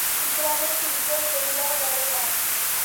গ্রামে ফিরিতে হইয়া গেল রাত।